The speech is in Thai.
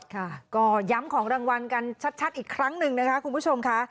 ค่ะก็ย้ำของรางวัลกันชัดอีกครั้งหนึ่งนะคะคุณผู้ชมค่ะ